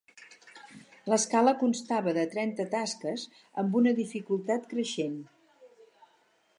L'escala constava de trenta tasques amb una dificultat creixent.